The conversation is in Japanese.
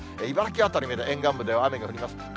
茨城辺りの沿岸部では雨が降ります。